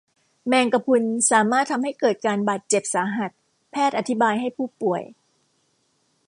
แมงกะพรุนสามารถทำให้เกิดการบาดเจ็บสาหัสแพทย์อธิบายให้ผู้ป่วย